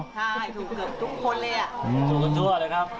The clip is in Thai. ใช่เผื่อเชื่อเลยครับ